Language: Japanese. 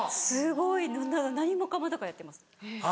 すごい何もかもだからやってます。